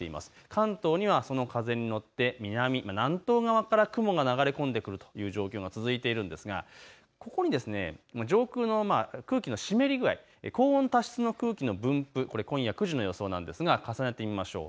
関東にはその風に乗って南、南東側から雲が流れ込んでくるという状況が続いているんですがここに上空の空気の湿り具合、高温多湿の空気の分布、今夜９時の予想なんですが重ねてみましょう。